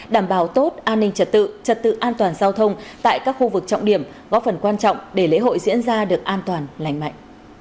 đảm bảo tốt an ninh trật tự trật tự an toàn giao thông tại các khu vực trọng điểm góp phần quan trọng để lễ hội diễn ra được an toàn lành mạnh